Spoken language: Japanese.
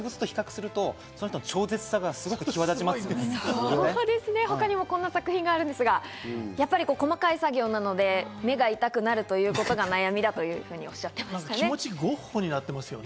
実物を比較すると、その人の超絶さが他にもこんな作品があるんですが、細かい作業なので、目が痛くなるということが悩みだとおっしゃっていましたね。